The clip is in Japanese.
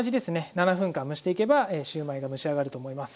７分間蒸していけばシューマイが蒸し上がると思います。